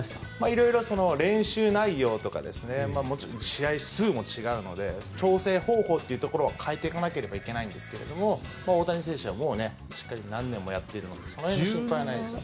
色々、練習内容とか試合数も違うので調整方法というところは変えていかなければいけないんですが大谷選手はしっかり何年もやっているのでその辺の心配はないですね。